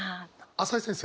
朝井先生。